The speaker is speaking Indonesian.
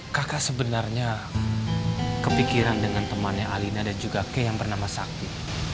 kakak sebenarnya kepikiran dengan temannya alina dan juga ke yang bernama sakti